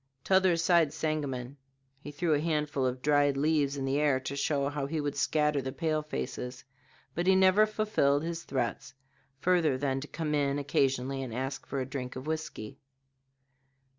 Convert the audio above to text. T'other side Sangamon." He threw a handful of dried leaves in the air to show how he would scatter the pale faces, but he never fulfilled his threats further than to come in occasionally and ask for a drink of whisky.